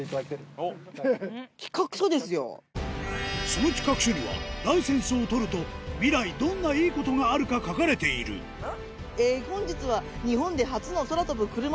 その企画書にはライセンスを取ると未来どんないいことがあるか書かれているみたいな何？